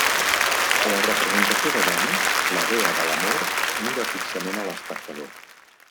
La representació de Venus, la dea de l'amor, mira fixament a l'espectador.